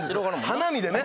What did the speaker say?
花見でね